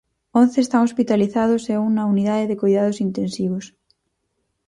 Once están hospitalizados e un na Unidade de Coidados Intensivos.